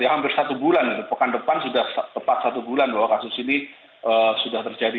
hampir satu bulan pekan depan sudah tepat satu bulan bahwa kasus ini sudah terjadi